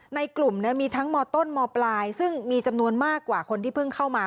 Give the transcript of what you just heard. ในกลุ่มมีทั้งมต้นมปลายซึ่งมีจำนวนมากกว่าคนที่เพิ่งเข้ามา